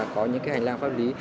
có những cái hành lang pháp lý